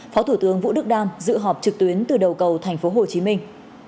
phó thủ tướng vũ đức đam dự họp trực tuyến từ đầu cầu thành phố hồ chí minh